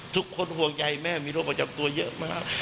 ห่วงใยแม่มีโรคประจำตัวเยอะมาก